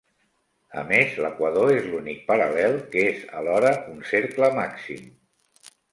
A més, l'equador és l'únic paral·lel que és alhora un cercle màxim.